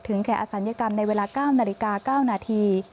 ถึงแข่อสัญกรรมในเวลา๙นาฬิกา๙นาที